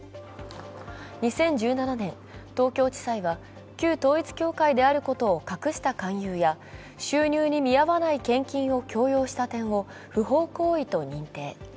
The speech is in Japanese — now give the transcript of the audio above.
２０１７年、東京地裁は旧統一教会であることを隠した勧誘や収入に見合わない献金を強要した点を不法行為と認定。